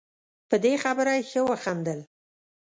په دې خبره یې ښه وخندل.